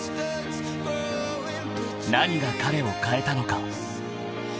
［何が彼を変えたのか］